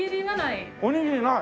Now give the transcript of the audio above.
おにぎりない？